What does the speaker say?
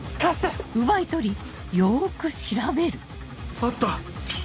あった！